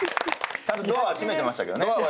ちゃんとドアは閉めてましたけどね。